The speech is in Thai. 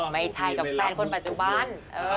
ไม่ใช่กับแฟนคนปัจจุบัน